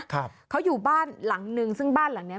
ครับเขาอยู่บ้านหลังนึงซึ่งบ้านหลังเนี้ย